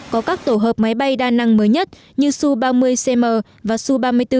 có các tổ hợp máy bay đa năng mới nhất như su ba mươi cm và su ba mươi bốn